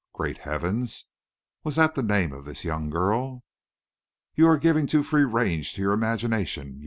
Great heaven! was that the name of this young girl? "You are giving too free range to your imagination.